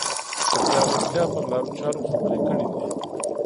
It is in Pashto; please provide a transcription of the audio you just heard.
د پیاوړتیا پر لارو چارو خبرې کړې دي